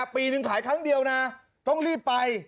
ปีนึงขายครั้งเดียวนะต้องรีบไป